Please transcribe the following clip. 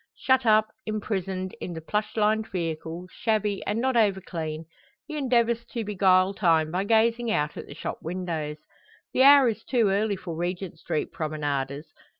Shut up, imprisoned, in the plush lined vehicle, shabby, and not over clean, he endeavours to beguile time by gazing out at the shop windows. The hour is too early for Regent Street promenaders.